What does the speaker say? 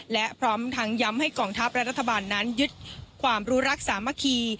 และพร้อมทั้งย้ำให้กองทัพและรัฐบาลนั้นยึดความรู้รักสามัคคี